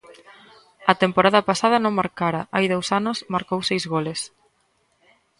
A temporada pasada non marcara, hai dous anos marcou seis goles.